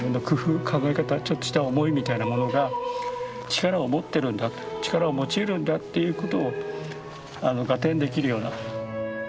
ちょっとした思いみたいなものが力を持ってるんだと力を持ちうるんだっていうことを合点できるような。